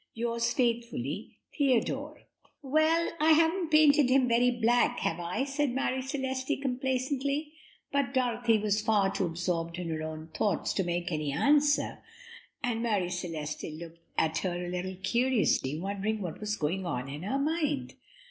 "'Yours faithfully, "'Theodore.'" "Well, I haven't painted him very black, have I?" said Marie Celeste complacently; but Dorothy was far too absorbed in her own thoughts to make any answer, and Marie Celeste looked at her a little curiously, wondering what was going on in her mind.